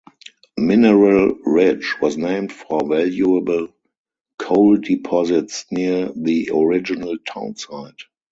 Mineral Ridge was named for valuable coal deposits near the original town site.